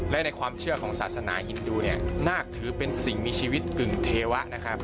และในความเชื่อของศาสนาฮินดูเนี่ยนาคถือเป็นสิ่งมีชีวิตกึ่งเทวะนะครับ